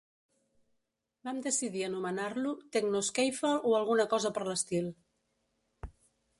Vam decidir anomenar-lo tecno-skiffle o alguna cosa per l'estil.